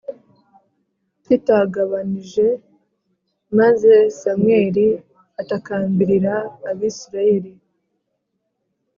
Kitagabanije maze samweli atakambirira abisirayeli